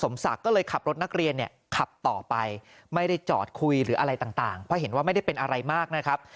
ไม่ได้จอดคุยหรืออะไรต่างเพราะเห็นว่าไม่ได้เป็นอะไรมากนะครับ